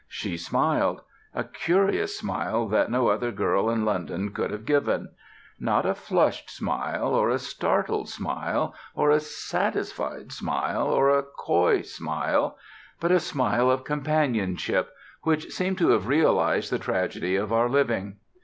She smiled; a curious smile that no other girl in London could have given; not a flushed smile, or a startled smile, or a satisfied smile, or a coy smile; but a smile of companionship, which seemed to have realized the tragedy of our living.